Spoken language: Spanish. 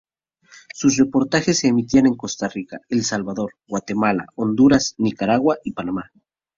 Sus reportajes se emitían en Costa Rica, El Salvador, Guatemala, Honduras, Nicaragua y Panamá.